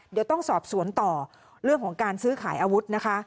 เดี๋ยวต้องสอบสวนต่อเรื่องของการซื้อขายอาวุธนะคะ